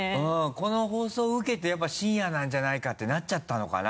この放送を受けてやっぱり深夜なんじゃないかってなっちゃったのかな？